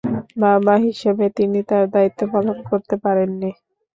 বাবা হিসেবে তিনি তাঁর দায়িত্ব পালন করতে পারেন নি।